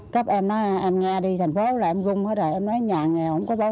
chắc lần này em tỏa người xe cổ chắc là em tới em cũng phá lại không cho nó chạy nữa đâu